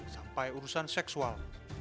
sampai urusan seksual